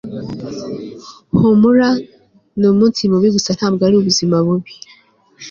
humura, ni umunsi mubi gusa ntabwo ari ubuzima bubi